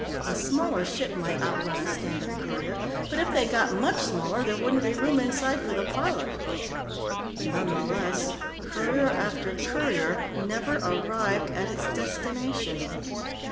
A smaller ship might outrun a standard courier, but if they got much smaller, there wouldn't be room inside for the pilot. Nonetheless, courier after courier never arrived at its destination.